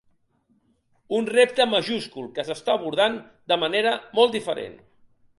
Un repte majúscul que s’està abordant de manera molt diferent.